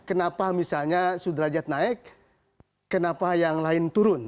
kenapa misalnya sudrajat naik kenapa yang lain turun